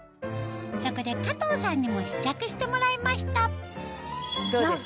そこで加藤さんにも試着してもらいましたどうです？